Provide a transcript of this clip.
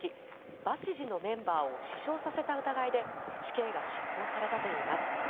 バシジのメンバーを死傷させた疑いで死刑が執行されたといいます。